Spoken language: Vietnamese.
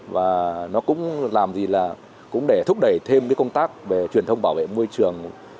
và nó cũng làm gì là cũng để thúc đẩy thêm cái công tác về truyền thông bảo vệ môi trường